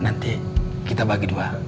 nanti kita bagi dua